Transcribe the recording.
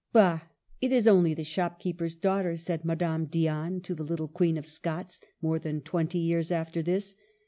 '' Bah ! it is only the shopkeeper's daughter !" said Madame Diane to the little Queen of Scots, more than twenty years after this.